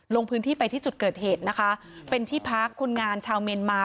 ลงพื้นที่ไปที่จุดเกิดเหตุนะคะเป็นที่พักคนงานชาวเมียนมา